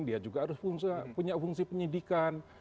dia juga harus punya fungsi penyidikan